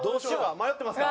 迷ってますか？